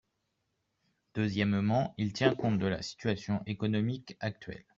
Deuxièmement, il tient compte de la situation économique actuelle.